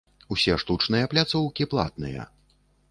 Усе штучныя пляцоўкі платныя.